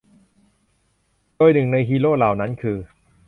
โดยหนึ่งในฮีโร่เหล่านั้นคือ